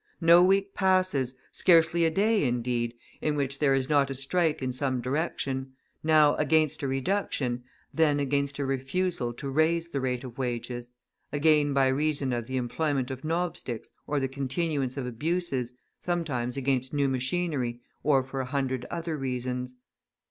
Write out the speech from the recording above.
No week passes, scarcely a day, indeed, in which there is not a strike in some direction, now against a reduction, then against a refusal to raise the rate of wages, again by reason of the employment of knobsticks or the continuance of abuses, sometimes against new machinery, or for a hundred other reasons.